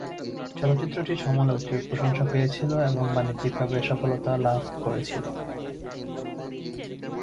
চলচ্চিত্রটি সমালোচকদের প্রশংসা পেয়েছিল এবং বাণিজ্যিকভাবে সফলতা লাভ করেছিল।